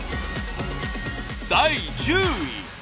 第１０位。